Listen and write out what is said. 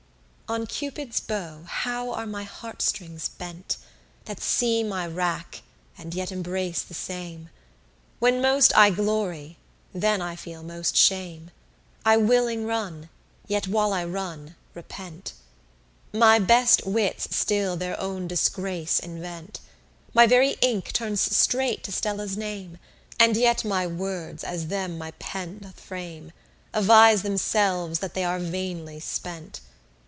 19 On Cupid's bow how are my heartstrings bent, That see my wrack, and yet embrace the same? When most I glory, then I feel most shame: I willing run, yet while I run, repent. My best wits still their own disgrace invent: My very ink turns straight to Stella's name; And yet my words, as them my pen doth frame, Avise themselves that they are vainly spent.